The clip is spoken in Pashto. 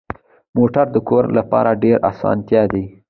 موټر د کورنۍ لپاره ډېره اسانتیا ده.